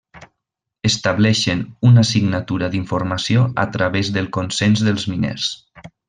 Estableixen una signatura d'informació a través del consens dels miners.